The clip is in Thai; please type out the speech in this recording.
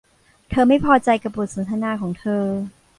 เธอไม่พอใจกับบทสนทนาของเธอ